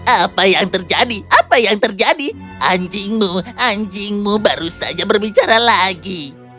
apa yang terjadi apa yang terjadi anjingmu anjingmu baru saja berbicara lagi